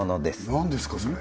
何ですかそれ？